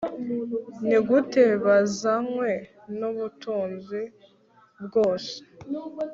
Nigute bazanywe nubutunzi bwose